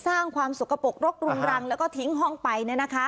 สร้างความสุขปกรกรุงรังแล้วก็ทิ้งห้องไปเนี่ยนะคะ